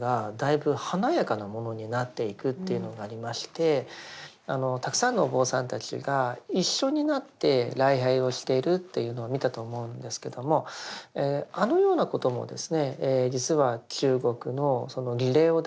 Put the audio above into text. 実際にそのたくさんのお坊さんたちが一緒になって礼拝をしているというのを見たと思うんですけどもあのようなこともですね